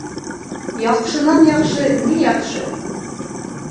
Яҡшынан-яҡшы ни яҡшы?